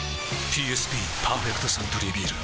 ＰＳＢ「パーフェクトサントリービール」